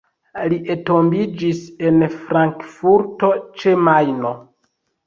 Li entombiĝis en Frankfurto ĉe Majno.